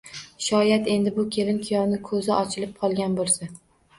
Shoyad, endi bu kelin-kuyovning ko`zi ochilib qolgan bo`lsa